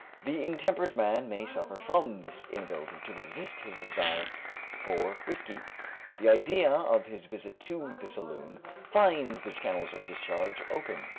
The intemperate man may suffer from his inability to resist his desire for whiskey. The idea of his visit to the saloon finds the channels of discharge open.